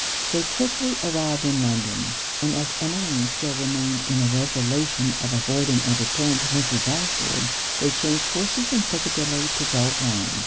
They quickly arrived in London; and as Emmeline still remained in the resolution of avoiding a return to Mrs. Ashwood, they changed horses in Piccadilly to go on.